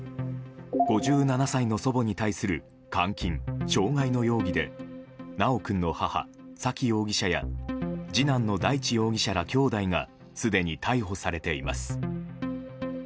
５７歳の祖母に対する監禁・傷害の容疑で修君の母・沙喜容疑者や次男の大地容疑者らきょうだいがすでに逮捕されています。